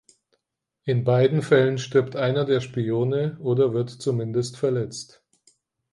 In beiden Fällen stirbt einer der Spione oder wird zumindest verletzt.